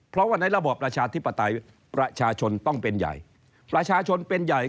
เพราะว่าในระบบประชาธิปไตยประชาชนต้องเป็นใหญ่